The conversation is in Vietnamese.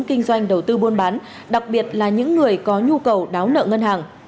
kinh doanh đầu tư buôn bán đặc biệt là những người có nhu cầu đáo nợ ngân hàng